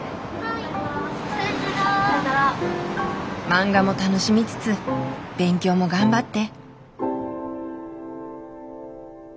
マンガも楽しみつつ勉強も頑張って！